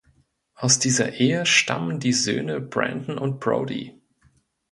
Aus dieser Ehe stammen die Söhne Brandon und Brody.